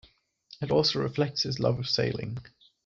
It also reflects his love of sailing.